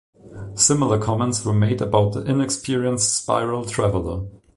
Similar comments were made about "The Inexperienced Spiral Traveller".